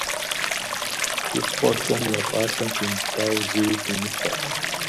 Хущхъуэхэм я пӏалъэм фемыплъауэ, зэи фемыфэ.